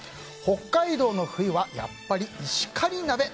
北海道の冬はやっぱり石狩鍋。